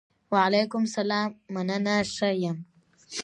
وعلیکم سلام! مننه ښۀ یم.